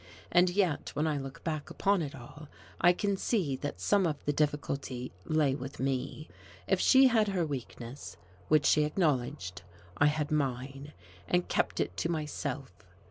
And yet, when I look back upon it all, I can see that some of the difficulty lay with me: if she had her weakness which she acknowledged I had mine and kept it to myself.